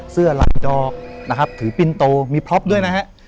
เสื้อลายดอกนะครับถือปินโตมีพล็อปด้วยนะฮะ